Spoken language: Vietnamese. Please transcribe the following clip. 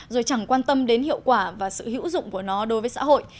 rồi chẳng quan tâm đến hiệu quả và sự hữu dụng của nó đối với xã hội